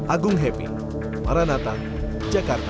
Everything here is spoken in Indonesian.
agung happy maranatan jakarta